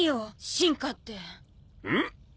進化ってん？